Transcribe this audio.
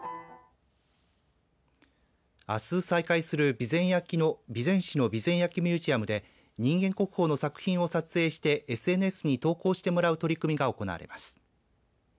あす再開する備前焼の備前市の備前焼ミュージアムで人間国宝の作品を撮影してＳＮＳに投稿してもらう取り組みが行われます。